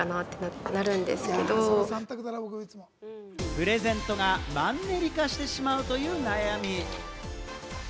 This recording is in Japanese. プレゼントがマンネリ化してしまうという悩み。